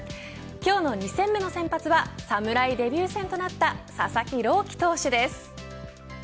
今日の２戦目の先発は侍デビュー戦となった佐々木朗希投手です。